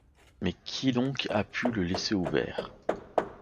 Mais qui donc a pu le laisser ouvert ?